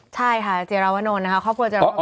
ใช่ค่ะเจราวนลนะคะครอบครัวเจรนท